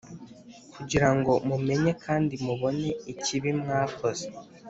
Kugira ngo mumenye kandi mubone ikibi mwakoze